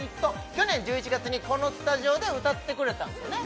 去年１１月にこのスタジオで歌ってくれたんですよね